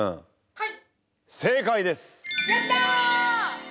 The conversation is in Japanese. はい。